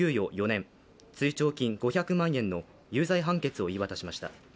４年、追徴金５００万円の有罪判決を言い渡しました。